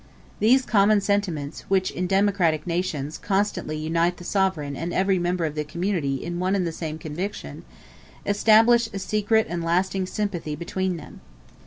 These common sentiments, which, in democratic nations, constantly unite the sovereign and every member of the community in one and the same conviction, establish a secret and lasting sympathy between them.